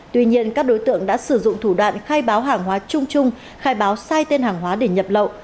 tuy nhiên các đối tượng đã sử dụng thủ đoạn khai báo hàng hóa chung chung khai báo sai tên hàng hóa để nhập lậu